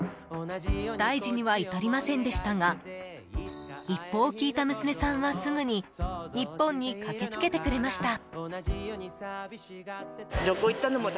大事には至りませんでしたが一報を聞いた娘さんはすぐに日本に駆けつけてくれました。